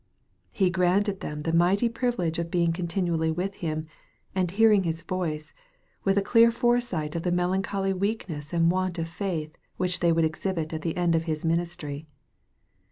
He granted them the mighty privilege of being continually with Him, and hearing His voice, with a clear foresight of the melancholy weakness and want of faith which they would exhibit at the end of His minis try.